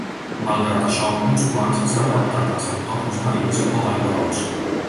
Malgrat això, uns quants s'han adaptat als entorns marins o d'aigua dolça.